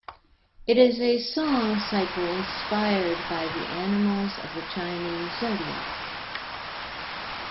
It is a song cycle inspired by the animals of the Chinese zodiac.